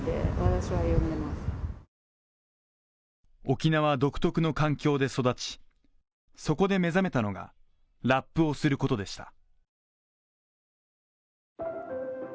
沖縄独特の環境で育ちそこで目覚めたのがラップをすることでした。